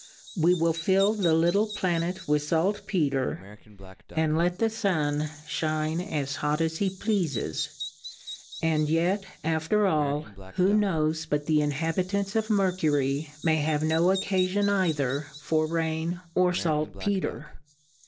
We will fill the Uttle Pla net with Salt Peter, and let the Sun fliine F 5 as io6 Difcourfes on the as hot as he pleafes. And yet after all, who knows but the Inhabitants o( Mer cury may have no occafion either for Rain, or Salt Peter